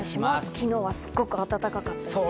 昨日はすごく暖かかったんですが。